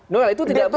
noel itu tidak benar